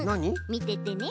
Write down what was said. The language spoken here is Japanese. みててね。